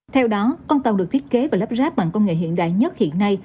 theo đó con tàu được thiết kế và lắp ráp bằng công nghệ hiện đại nhất hiện nay